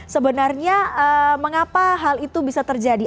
sebenarnya mengapa hal itu bisa terjadi